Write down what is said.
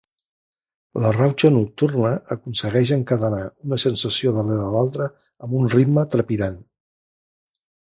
La rauxa nocturna aconsegueix encadenar una sensació darrere l'altra amb un ritme trepidant.